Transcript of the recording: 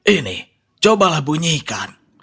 ini cobalah bunyikan